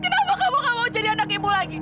kenapa kamu gak buka mau jadi anak ibu lagi